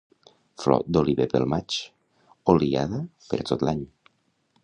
Flor d'oliver pel maig, oliada per a tot l'any